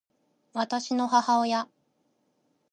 私の母親